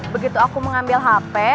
begitu aku mengambil hp